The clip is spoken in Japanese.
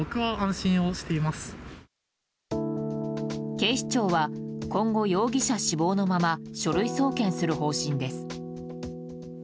警視庁は今後、容疑者死亡のまま書類送検する方針です。